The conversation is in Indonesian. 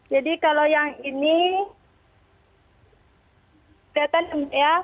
jadi kalau yang ini kelihatan ya